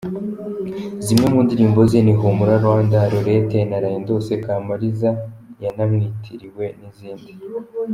Zimwe mundirimbo ze ni "Humura Rwanda", "Laurette", "Naraye ndose", "Kamariza" yanamwitiriwe n’izindi.